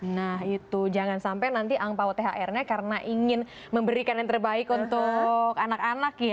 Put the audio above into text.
nah itu jangan sampai nanti angpao thr nya karena ingin memberikan yang terbaik untuk anak anak ya